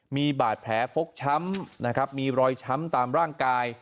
มีบาดแผลฟกช้ำนะครับมีรอยช้ำตามร่างกาย